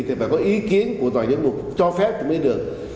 thì phải có ý kiến của tòa giáo hội cho phép thì mới được